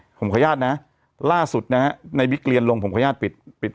ผมขออนุญาตนะล่าสุดนะฮะในบิ๊กเรียนลงผมขออนุญาตปิดปิด